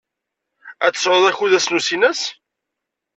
Ad tesɛud akud ass n usinas?